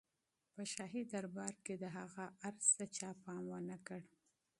په شاهي دربار کې د هغه عرض ته چا پام ونه کړ.